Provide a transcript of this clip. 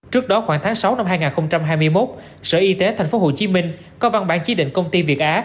trước đó khoảng tháng sáu năm hai nghìn hai mươi một sở y tế tp hcm có văn bản chỉ định công ty việt á